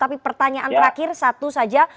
tapi pertanyaan terakhir satu saja